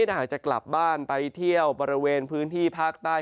ถ้าหากจะกลับบ้านไปเที่ยวบริเวณพื้นที่ภาคใต้